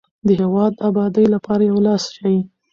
د هیواد د ابادۍ لپاره یو لاس شئ.